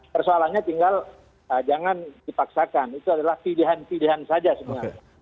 persoalannya tinggal jangan dipaksakan itu adalah pilihan pilihan saja sebenarnya